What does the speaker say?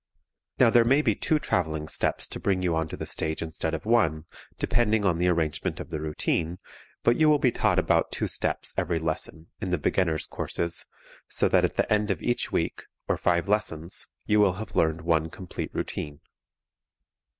Now, there may be two travelling steps to bring you onto the stage instead of one, depending upon the arrangement of the routine, but you will be taught about two steps every lesson, in the beginners' courses, so that at the end of each week, or five lessons, you will have learned one complete routine.